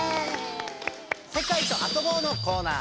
「世界と遊ぼうのコーナー」。